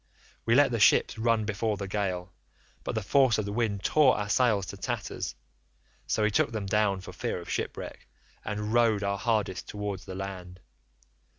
We let the ships run before the gale, but the force of the wind tore our sails to tatters, so we took them down for fear of shipwreck, and rowed our hardest towards the land.